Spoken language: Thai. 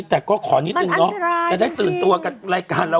แต่ก็ขอนิดนึงเนาะจะได้ตื่นตัวกับรายการเรา